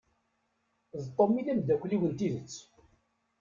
D Tom i d amdakel-iw n tidett.